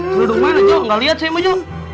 kududuk mana jok gak liat saya bu jok